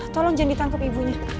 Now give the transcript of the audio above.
tolong jangan ditangkep ibunya